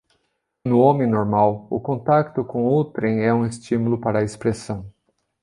no homem normal o contacto com outrem é um estímulo para a expressão